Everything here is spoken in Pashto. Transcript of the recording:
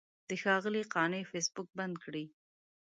د ښاغلي قانع فیسبوک بند کړی.